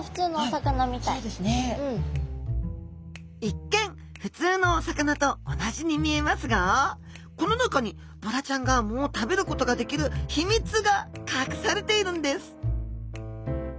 一見普通のお魚と同じに見えますがこの中にボラちゃんが藻を食べることができる秘密が隠されているんです！